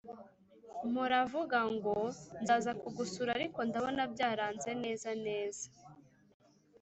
mpora vuga ngo nzaza kugusura ariko ndabona byaranze neza neza